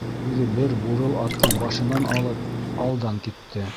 Үҙе бер бурыл аттың башынан алып алдан китте.